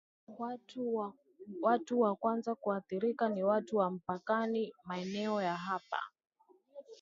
watu wa kwanza kuathirika ni watu wa mpakani maeneo ya hapa